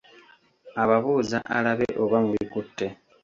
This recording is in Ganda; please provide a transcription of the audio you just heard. Ababuuza alabe oba mubikutte.